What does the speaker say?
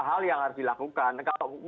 hal yang harus dilakukan kalau